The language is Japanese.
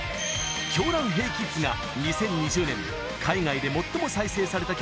「狂乱ＨｅｙＫｉｄｓ！！」が２０２０年海外で最も再生された曲